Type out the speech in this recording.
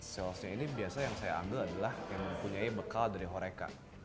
salesnya ini biasa yang saya ambil adalah yang mempunyai bekal dari horeca